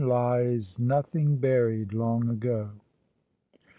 LIES NOTHING BURIED LONG AGO